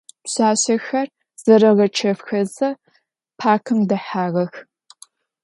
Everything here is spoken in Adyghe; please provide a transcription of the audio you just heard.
Pşsaşsexer zereğeçefxeze parkım dehağex.